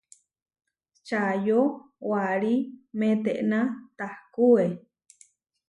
Čayó warí metená tahkué.